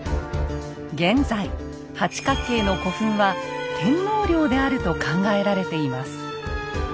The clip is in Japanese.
現在八角形の古墳は天皇陵であると考えられています。